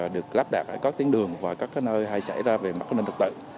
được lắp đặt ở các tiếng đường và các nơi hay xảy ra về mất an ninh trật tự